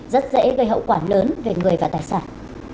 rất dễ gây hậu quả lớn về người và tài sản